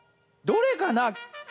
どれかな？